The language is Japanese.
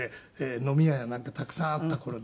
飲み屋やなんかたくさんあった頃ですね。